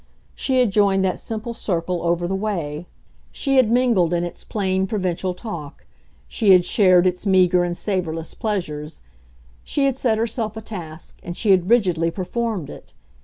She had joined that simple circle over the way; she had mingled in its plain, provincial talk; she had shared its meagre and savorless pleasures. She had set herself a task, and she had rigidly performed it.